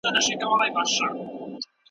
خپل اولادونه له بدو کارونو منع کړئ.